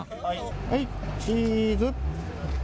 はい、チーズ。